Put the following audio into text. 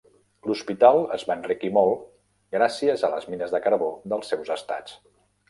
L'hospital es va enriquir molt gràcies a les mines de carbó dels seus estats.